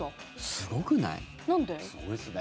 すごいですね。